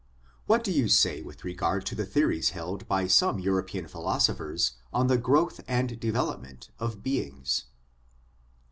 What do you say with regard to the theories held by some European philosophers on the growth and development of beings